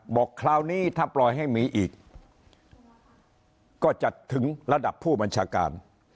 คราวนี้ถ้าปล่อยให้มีอีกก็จะถึงระดับผู้บัญชาการ